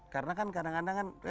karena kan kadang kadang kan